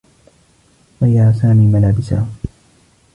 غيّر سامي ملابسه.